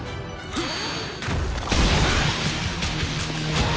フッ！